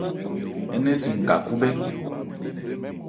Ń nɛn si n-ka khúbhɛ́.